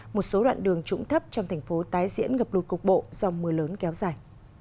một số đoạn đường trũng thấp trong thành phố tái diễn ngập lụt cục bộ do mưa lớn kéo dài